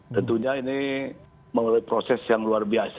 tentunya ini melalui proses yang luar biasa